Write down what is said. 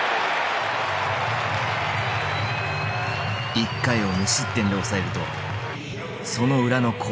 １回を無失点で抑えるとその裏の攻撃。